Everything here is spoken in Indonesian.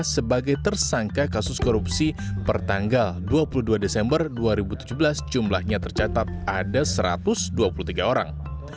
sebagai tersangka kasus korupsi per tanggal dua puluh dua desember dua ribu tujuh belas jumlahnya tercatat ada satu ratus dua puluh tiga orang